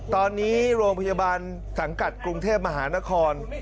ตอนนี้โรงพยาบาลสังกัดกรุงเทพมหานคร